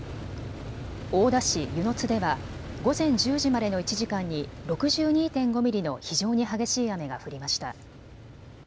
大田市温泉津では午前１０時までの１時間に６２．５ミリの非常に激しい雨が降りました。